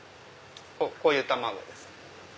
こういう卵です。